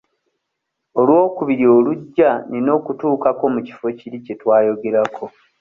Olwokubiri olujja nina okutuukako mu kifo kiri kye twayogerako.